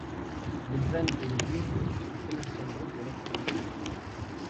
Les graines et les bulbes sont commercialisés pour l'horticulture.